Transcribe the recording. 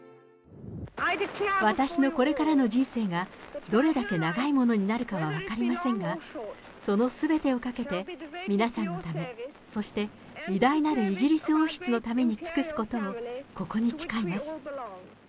私のこれからの人生がどれだけ長いものになるかは分かりませんが、そのすべてをかけて、皆さんのため、そして、偉大なるイギリス王室のために尽くすことをここに誓います。